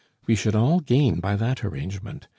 We should all gain by that arrangement.